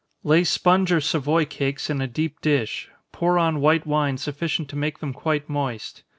_ Lay sponge or Savoy cakes in a deep dish pour on white wine sufficient to make them quite moist.